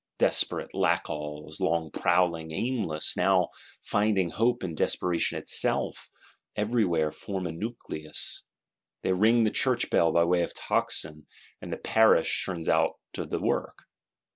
Desperate Lackalls, long prowling aimless, now finding hope in desperation itself, everywhere form a nucleus. They ring the Church bell by way of tocsin: and the Parish turns out to the work.